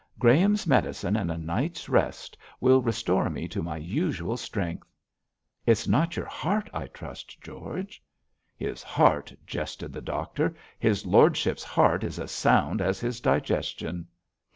Graham's medicine and a night's rest will restore me to my usual strength.' 'It's not your heart, I trust, George?' 'His heart!' jested the doctor. 'His lordship's heart is as sound as his digestion.'